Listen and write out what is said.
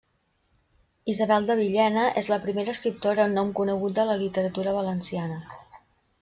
Isabel de Villena és la primera escriptora amb nom conegut de la literatura valenciana.